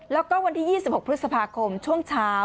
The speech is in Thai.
แล้วก็วันที่๒๖พฤษภาคมช่วงเช้า